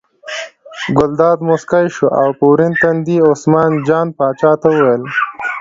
ګلداد موسکی شو او په ورین تندي یې عثمان جان پاچا ته وویل.